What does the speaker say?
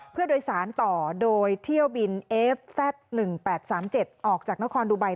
เพื่อโดยสารต่อโดยเที่ยวบินเอฟแซ็ด๑๘๓๗ออกจากนครดูไบ